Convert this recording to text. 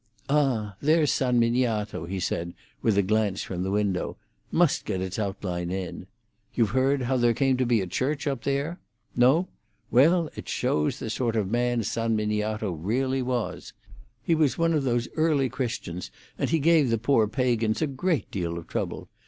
"Ah, there's San Miniato," he said, with a glance from the window. "Must get its outline in. You've heard how there came to be a church up there? No? Well, it shows the sort of man San Miniato really was. He was one of the early Christians, and he gave the poor pagans a great deal of trouble.